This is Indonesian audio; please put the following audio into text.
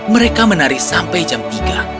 mereka menari sampai jam tiga